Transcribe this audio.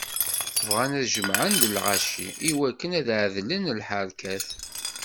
Bɣan ad jemɛen deg lɣaci, iwakken ad ɛedlen lḥerkat.